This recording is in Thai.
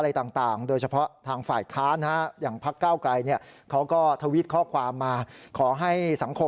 อะไรต่างโดยเฉพาะทางฝ่ายค้าน